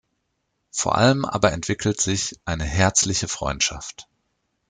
Vor allem aber entwickelt sich eine herzliche Freundschaft.